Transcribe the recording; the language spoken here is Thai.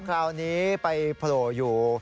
คราวนี้ไปโผล่อยู่